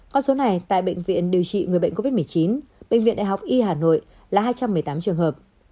con số này tại bệnh viện điều trị người bệnh covid một mươi chín bệnh viện đại học y hà nội là hai trăm một mươi tám trường hợp